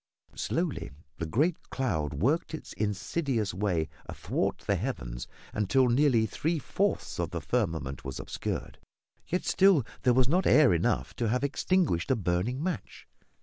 Slowly the great cloud worked its insidious way athwart the heavens until nearly three fourths of the firmament was obscured, yet still there was not air enough to have extinguished a burning match.